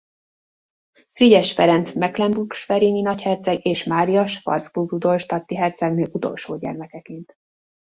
Frigyes Ferenc mecklenburg–schwerini nagyherceg és Mária schwarzburg–rudolstadti hercegnő utolsó gyermekként.